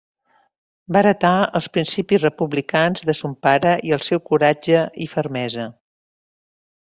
Va heretar els principis republicans de son pare i el seu coratge i fermesa.